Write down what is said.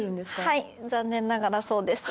はい残念ながらそうです